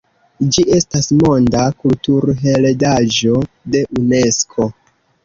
Ĝi estas Monda Kulturheredaĵo de Unesko.